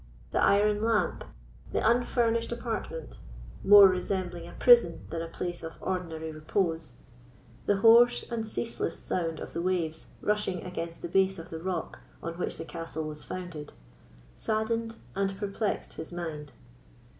The iron lamp, the unfurnished apartment, more resembling a prison than a place of ordinary repose, the hoarse and ceaseless sound of the waves rushing against the base of the rock on which the castle was founded, saddened and perplexed his mind.